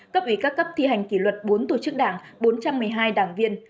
cấp ủy các cấp thi hành kỷ luật bốn tổ chức đảng bốn trăm một mươi hai đảng viên